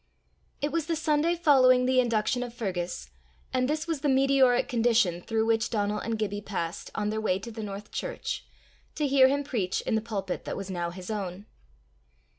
It was the Sunday following the induction of Fergus, and this was the meteoric condition through which Donal and Gibbie passed on their way to the North church, to hear him preach in the pulpit that was now his own.